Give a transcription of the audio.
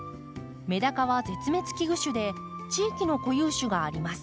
メダカは絶滅危惧種で地域の固有種があります。